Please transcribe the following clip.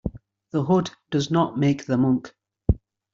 The hood does not make the monk.